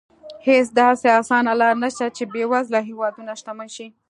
هېڅ داسې اسانه لار نه شته چې بېوزله هېوادونه شتمن شي.